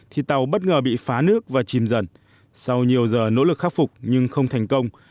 thì tàu bất ngờ bị phá nước và chìm dần sau nhiều giờ nỗ lực khắc phục nhưng không thành công